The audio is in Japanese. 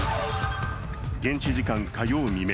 現地時間火曜未明